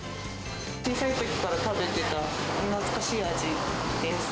小さいときから食べてた懐かしい味です。